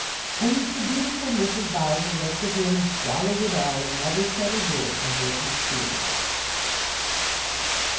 And the dutiful Mrs. Bowser looked at him and swallowed it all and never said a word to hurt his feelings.